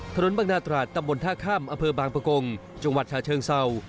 ถนนบางนาตราดตำบลท่าข้ามอำเภอบางประกงจังหวัดชาเชิงเศร้า